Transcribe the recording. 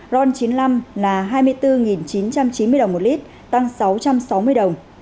ron chín mươi năm là hai mươi bốn chín trăm chín mươi đồng một lít tăng sáu trăm sáu mươi đồng